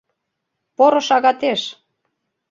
Поро шагатеш!